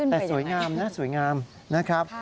แต่สวยงามนะสวยงามนะครับ